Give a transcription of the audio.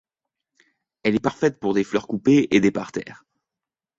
Elle est parfaite pour des fleurs coupées et des parterres.